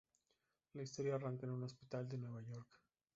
La historia arranca en un hospital de Nueva York.